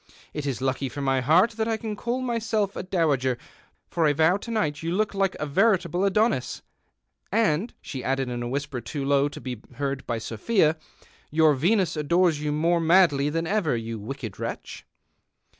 It is lucky for my heart that I can call myself a dowager, for I vow to night you look like a veritable Adonis, and," she added in a whisper too low to be heard by Sophia, " your Venus adores you more macll\' than ever, you wicked wretch.